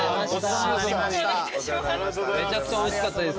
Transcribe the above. めちゃくちゃおいしかったです。